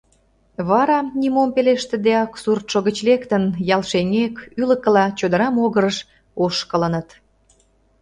Вара, нимом пелештыдеак, суртшо гыч лектын, ял шеҥгек, ӱлыкыла, чодыра могырыш, ошкылыныт.